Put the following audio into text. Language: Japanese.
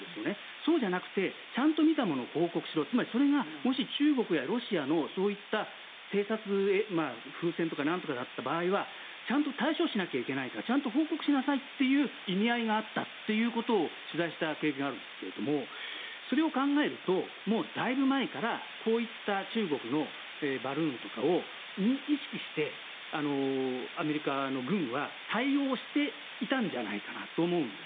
そうじゃなくてちゃんと見たものを報告しろつまりそれがもし中国やロシアのそういった偵察、風船とかなんとかだった場合はちゃんと対処しないといけないからちゃんと報告しなさいという意味合いがあったということを取材した経験があるんですがそれを考えるとだいぶ前からこういった中国のバルーンとかを意識してアメリカの軍は対応していたんじゃないかなと思うんです。